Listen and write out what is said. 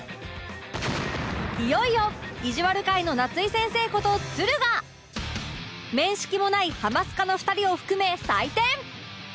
いよいよいじわる界の夏井先生ことつるが面識もない『ハマスカ』の２人を含め採点！